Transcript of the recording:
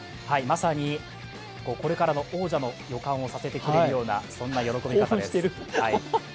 まさにこれからの王者の予感をさせてくれるようなそんな喜び方です。